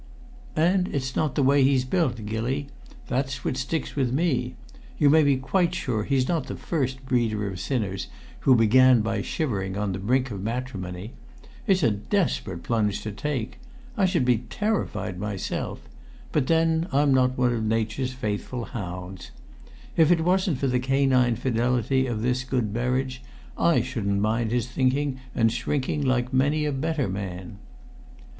"And it's not the way he's built, Gilly! That's what sticks with me. You may be quite sure he's not the first breeder of sinners who began by shivering on the brink of matrimony. It's a desperate plunge to take. I should be terrified myself; but then I'm not one of nature's faithful hounds. If it wasn't for the canine fidelity of this good Berridge, I shouldn't mind his thinking and shrinking like many a better man."